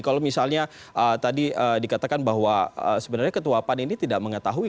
kalau misalnya tadi dikatakan bahwa sebenarnya ketua pan ini tidak mengetahui